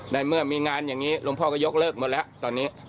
ในเมื่อมีงานอย่างนี้หลวงพ่อก็ยกเลิกหมดแล้วตอนนี้